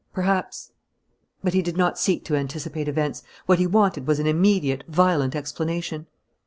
Perhaps But he did not seek to anticipate events. What he wanted was an immediate, violent explanation.